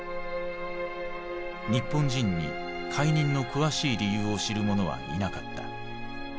日本人に解任の詳しい理由を知る者はいなかった。